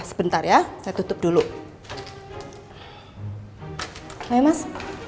sebentar ya saya tutup dulu mas